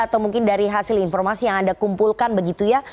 atau mungkin dari hasil informasi yang anda kumpulkan begitu ya